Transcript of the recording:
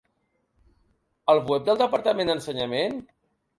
Al web del departament d'Ensenyament?